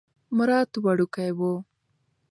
مراد وړوکی و.